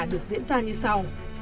được diễn ra như sau